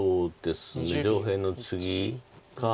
上辺のツギか。